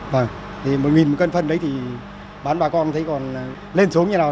vâng thì một một cân phân đấy thì bán bà con thấy còn lên xuống như thế nào